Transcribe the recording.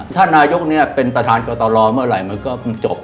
ถ้านายกเป็นประธานกฎรอเมื่อไหร่มันก็จบ